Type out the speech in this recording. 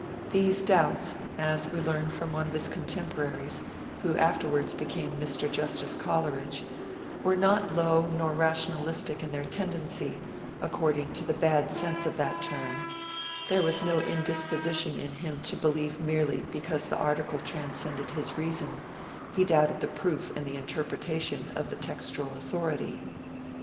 These doubts, as we learn from one of his contemporaries, who afterwards became Mr. Justice Coleridge, 'were not low nor rationalistic in their tendency, according to the bad sense of that term; there was no indisposition in him to believe merely because the article transcended his reason, he doubted the proof and the interpretation of the textual authority'.